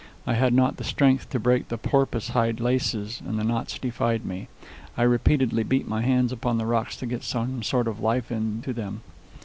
I had not the strength to break the porpoise hide laces, and the knots defied me. I repeatedly beat my hands upon the rocks to get some sort of life into them.